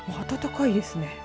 暖かいですね。